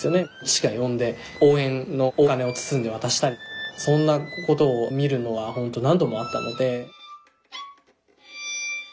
父が呼んで応援のお金を包んで渡したりそんなことを見るのはホント何度もあったので。